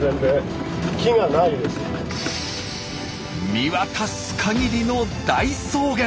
見渡す限りの大草原！